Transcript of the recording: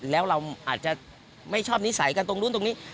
แล้วเราอาจจะไม่ชอบนิสัยกันตรงนู้นตรงนี้